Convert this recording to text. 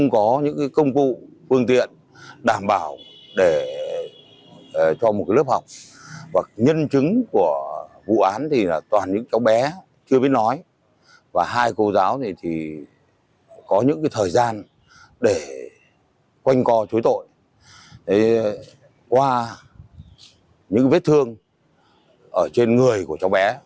cháu bé chưa biết nói và hai cô giáo này thì có những cái thời gian để quanh cò trối tội qua những vết thương ở trên người của cháu bé